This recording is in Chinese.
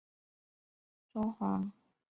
中华拟锯齿蛤为贻贝科拟锯齿蛤属的动物。